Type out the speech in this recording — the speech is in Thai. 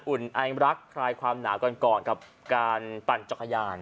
อุ่นไอรักคลายความหนาวกันก่อนกับการปั่นจักรยาน